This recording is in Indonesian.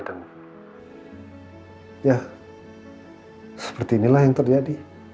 dan ya seperti inilah yang terjadi